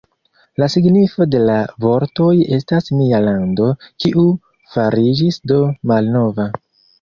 La signifo de la vortoj estas "Nia lando, kiu fariĝis do malnova".